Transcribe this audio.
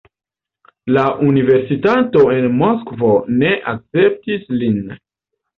La universitato en Moskvo ne akceptis lin.